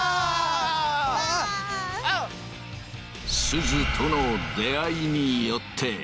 すずとの出会いによって昴